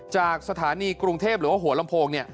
จากสถานีกรุงเทพหรือว่าหัวลำโพงเนี่ย